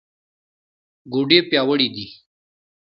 ګوډې پیاوړې دي.